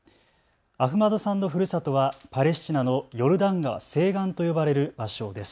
アフマドさんのふるさとはパレスチナのヨルダン川西岸と呼ばれる場所です。